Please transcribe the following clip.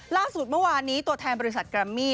ล่าสุดเมื่อวานนี้ตัวแทนบริษัทแกรมมี่